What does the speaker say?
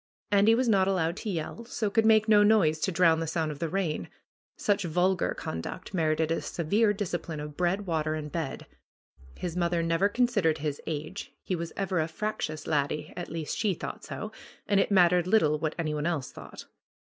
Andy was not allowed to yell, so could make no noise to drown the sound of the rain. Such vulgar conduct merited a severe discipline of bread, water and bed. His mother never considered his age. He was ever a frac tious laddie, at least she thought so, and it mattered little what any one else thought.